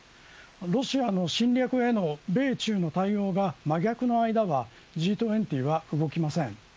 ロシアの侵略への米中の対応が真逆の間はＧ２０は動きません。